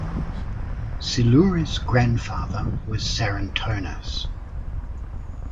Xilouris' grandfather was Psarantonis.